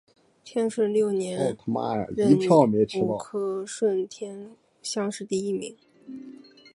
天顺六年壬午科顺天乡试第一名。